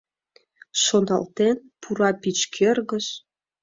Шоналтен, пура пич кӧргыш...